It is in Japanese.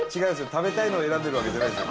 食べたいのを選んでるわけじゃないんですよ。